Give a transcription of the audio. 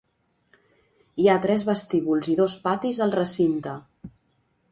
Hi ha tres vestíbuls i dos patis al recinte.